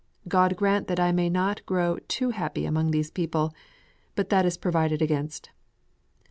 God grant that I may not grow too happy among these people. But that is provided against."